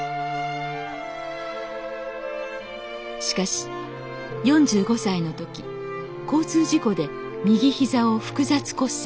しかし４５歳の時交通事故で右膝を複雑骨折。